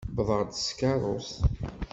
Wwḍeɣ-d s tkeṛṛust.